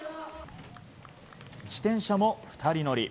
自転車も２人乗り。